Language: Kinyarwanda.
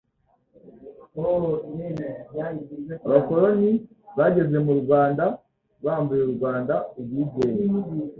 Abakoroni bageze mu Rwanda bambuye u Rwanda ubwigenge